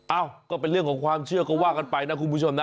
เอ้าก็เป็นเรื่องของความเชื่อก็ว่ากันไปนะคุณผู้ชมนะ